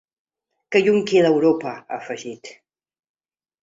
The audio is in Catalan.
Que lluny queda Europa, ha afegit.